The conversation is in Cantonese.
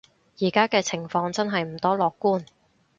而家嘅情況真係唔多樂觀